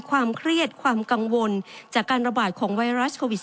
ความเครียดความกังวลจากการระบาดของไวรัสโควิด๑๙